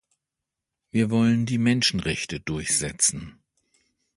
Wir wollen die Menschenrechte durchsetzen.